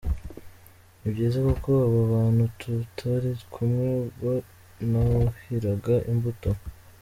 Ni byiza kuko abo bantu tutari kumwe ubwo nuhiraga imbuto.